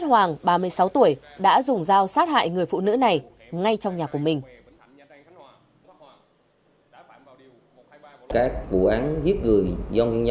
hoàng ba mươi sáu tuổi đã dùng dao sát hại người phụ nữ này ngay trong nhà của mình